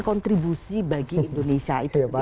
kontribusi bagi indonesia